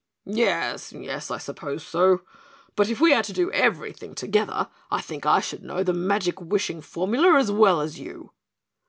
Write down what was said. "Yes, yes, I suppose so. But if we are to do everything together, I think I should know the magic wishing formula as well as you."